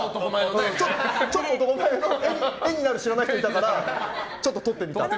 ちょっと男前の絵になる知らない人がいたから撮ってみた。